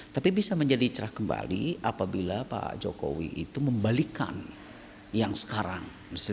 tapi bisa menjadi cerah kembali apabila pak jokowi itu membalikan yang sekarang